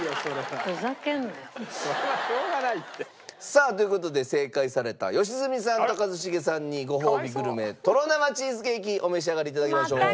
さあという事で正解された良純さんと一茂さんにごほうびグルメとろ生チーズケーキお召し上がりいただきましょう。